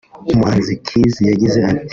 umuhanzi Khizz yagize ati